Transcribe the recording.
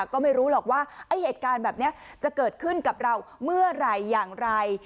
ก็ไม่รู้หรอกว่าไอ้เหตุการณ์แบบนี้จะเกิดขึ้นกับเราเมื่อไหร่อย่างไร